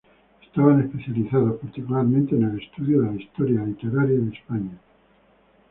Estaban especializados particularmente en el estudio de la historia literaria de España.